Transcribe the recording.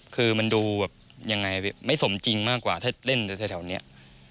คือมันดูแบบยังไงไม่สมจริงมากกว่าถ้าเล่นแถวนี้